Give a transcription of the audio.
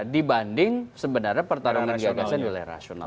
dibanding sebenarnya pertarungan geografinya di wilayah rasional